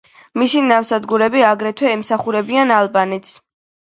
მისი ნავსადგურები აგრეთვე ემსახურებიან ალბანეთს.